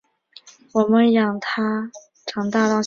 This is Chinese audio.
我们养他长大到现在